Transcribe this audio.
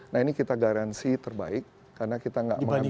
nah ini kita garansi terbaik karena kita nggak mengambil